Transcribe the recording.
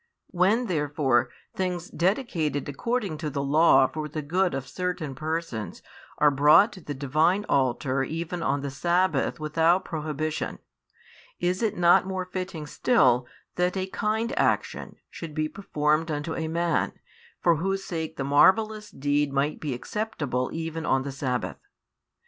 When therefore things dedicated according to the law for the good of certain persons are brought to the Divine altar even on the sabbath without prohibition, is it not more fitting still that a kind action should be performed unto a man, for whose sake the marvellous deed might be acceptable even on the sabbath?